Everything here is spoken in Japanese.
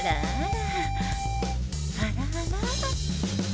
あらあら。